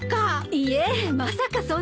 いいえまさかそんな。